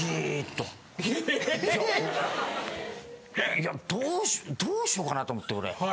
いやどうしようかなと思って俺。